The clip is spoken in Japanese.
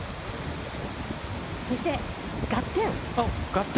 そして、「ガッテン！」。